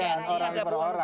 orang per orang